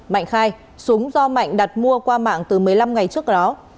mạnh khai súng do mạnh đặt mua qua mạng từ một mươi năm ngày trước đó